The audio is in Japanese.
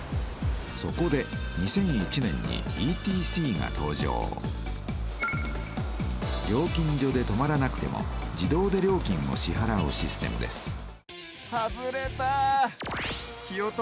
そこで２００１年にＥＴＣが登場料金所で止まらなくても自動で料金を支はらうシステムです